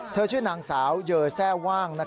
ชื่อนางสาวเยอแทร่ว่าง